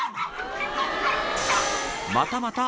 ［またまた］